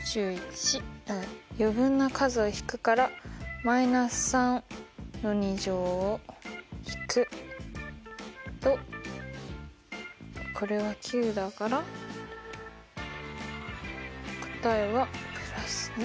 余分な数を引くから−３の２乗を引くとこれは９だから答えは＋２。